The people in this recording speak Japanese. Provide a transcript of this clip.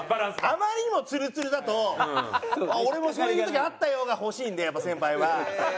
あまりにもツルツルだと「俺もそういう時あったよ」が欲しいんでやっぱり先輩は。